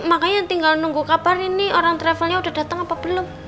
makanya tinggal nunggu kabar nih nih orang travelnya udah dateng apa belum